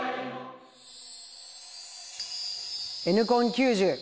「Ｎコン９０」。